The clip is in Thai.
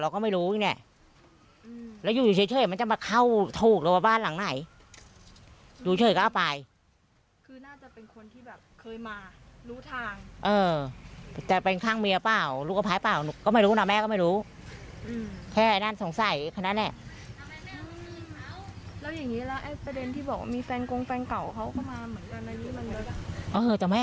ก็จะเป็นทางญาติข้างเมียมาหรือเปล่าเราก็ไม่รู้อีกแน่